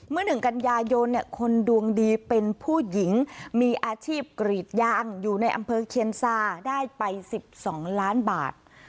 เมื่อหนึ่งกัญญายนเนี่ยคนดวงดีเป็นผู้หญิงมีอาชีพกรีดยางอยู่ในอัมเภอเคียนซาได้ไปสิบสองล้านบาท